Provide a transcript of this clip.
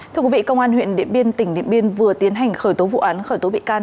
thưa quý vị công an huyện điện biên tỉnh điện biên vừa tiến hành khởi tố vụ án khởi tố bị can